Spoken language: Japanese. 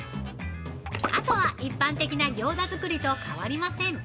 ◆あとは一般的な餃子作りと変わりません